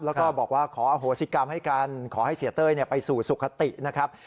แล้วก็บอกว่าขออโหสิกรรมให้กันขอให้เสียเต้ยไปสู่สุขตินะครับ